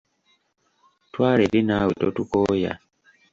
Twala eri naawe totukooya.